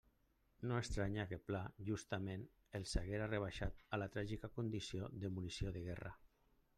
No estranye que Pla, justament, ja els haguera rebaixat a la tràgica condició de munició de guerra.